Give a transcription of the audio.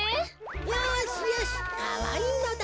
よしよしかわいいのだ。